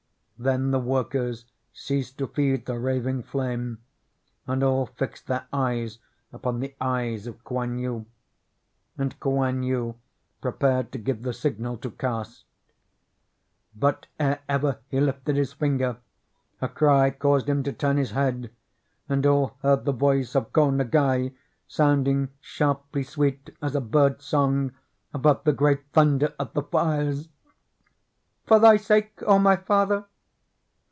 Then the workers ceased to feed the raving flame, and all fixed their eyes upon the eyes of Kouan Yu; and Kouan Yu prepared to give the signal to cast. But ere ever he lifted his finger, a cry caused him to turn his head and all heard the voice of Ko Ngai sound ing sharply sweet as a bird's song above the great thun der of the fires, — "For thy sake, O my father!"